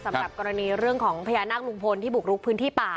สำหรับกรณีเรื่องของพญานาคลุงพลที่บุกลุกพื้นที่ป่า